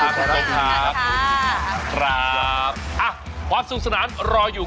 มีตรงนี้